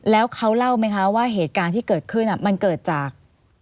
แล้วเขาเล่าไหมคะว่าเหตุการณ์ที่เกิดขึ้นมันเกิดจาก